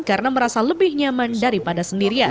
karena merasa lebih nyaman daripada sendirian